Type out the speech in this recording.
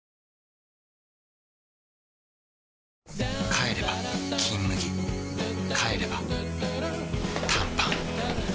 帰れば「金麦」帰れば短パン